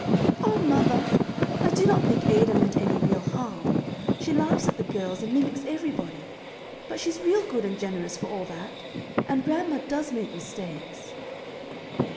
"O mother! I do not think Ada meant any real harm. She laughs at the girls, and mimics everybody; but she's real good and generous, for all that. And grandma does make mistakes."